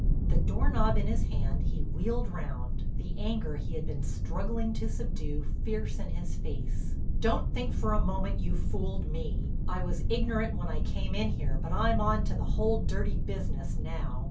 The door knob in his hand he wheeled round, the anger he had been struggling to subdue fierce in his face: "Don't think for a moment you've fooled me. I was ignorant when I came in here, but I'm on to the whole dirty business now.